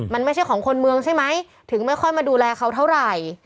มันไม่ใช่ของคนเมืองใช่ไหมถึงไม่ค่อยมาดูแลเขาเท่าไหร่